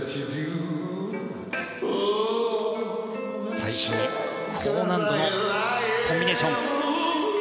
最初に高難度のコンビネーション。